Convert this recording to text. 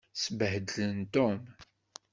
Sbehdlen Tom.